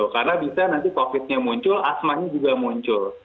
karena bisa nanti covid nya muncul asmanya juga muncul